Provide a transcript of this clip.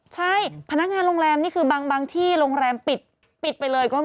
ใช่พนักงานโรงแรมนี่คือบางที่โรงแรมปิดไปเลยก็มี